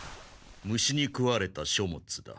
虫に食われた書物だ。